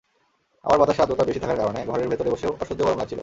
আবার বাতাসের আর্দ্রতা বেশি থাকার কারণে ঘরের ভেতরে বসেও অসহ্য গরম লাগছিল।